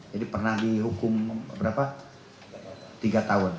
jadi pernah dihukum berapa tiga tahun